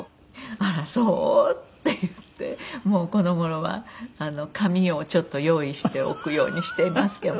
「あらそう？」って言ってもうこの頃は紙をちょっと用意しておくようにしていますけど。